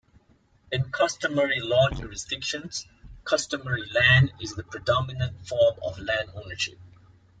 In customary law jurisdictions, customary land is the predominant form of land ownership.